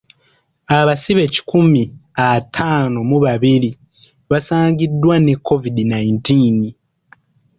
Abasibe kikumi ataano mu babiri basangiddwa ne covid nineteen.